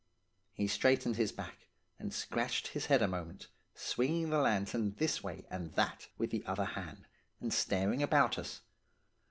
He straightened his back, and scratched his head a moment, swinging the lantern this way and that with the other hand, and staring about us.